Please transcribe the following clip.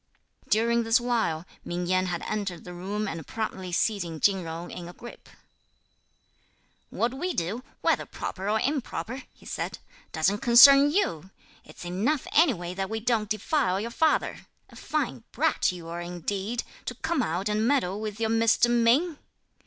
During this while, Ming Yen had entered the room and promptly seizing Chin Jung in a grip: "What we do, whether proper or improper," he said, "doesn't concern you! It's enough anyway that we don't defile your father! A fine brat you are indeed, to come out and meddle with your Mr. Ming!"